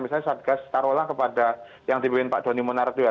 misalnya satgas taruh lah kepada yang dibawah pak doni munardu ya